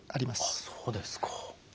あっそうですか。